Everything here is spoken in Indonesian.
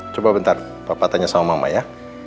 coba bentar papa tanya sama mama ya